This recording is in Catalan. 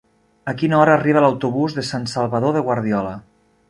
A quina hora arriba l'autobús de Sant Salvador de Guardiola?